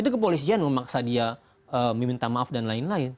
itu kepolisian memaksa dia meminta maaf dan lain lain